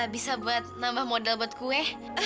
bisa buat nambah modal buat kue